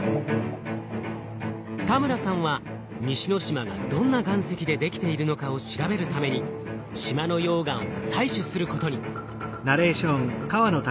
田村さんは西之島がどんな岩石でできているのかを調べるために島の溶岩を採取することに。